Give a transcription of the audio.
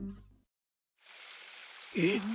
えっ？